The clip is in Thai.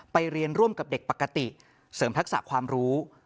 ไปเรียนร่วมกับเด็กปกติเสริมทักษะความรู้